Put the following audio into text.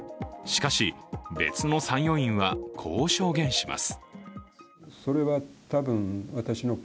しかし、別の参与員はこう証言します。